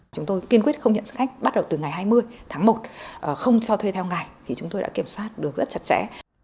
chúng tôi kiên quyết không nhận sức khách bắt đầu từ ngày hai mươi tháng một không cho thuê theo ngày thì chúng tôi đã kiểm soát được rất chặt chẽ